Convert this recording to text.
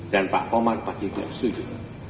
dan pak komar pasti tidak setuju